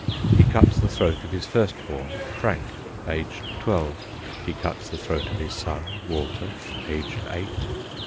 He cut the throat of his first born, Frank, aged twelve. He cut the throat of his son, Walter, aged eight.